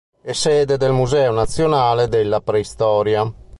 È sede del Museo nazionale della Preistoria.